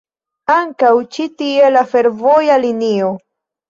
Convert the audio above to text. Ankaŭ ĉi tie la fervoja linio.